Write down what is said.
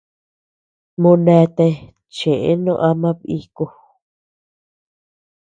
Moneatea cheʼë no ama bíku.